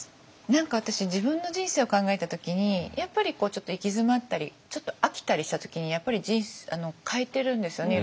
何か私自分の人生を考えた時にやっぱりちょっと行き詰まったりちょっと飽きたりした時にやっぱり変えてるんですよね